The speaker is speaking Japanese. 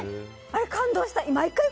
あれ、感動した。